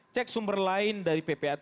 cek sumber lain dari ppatk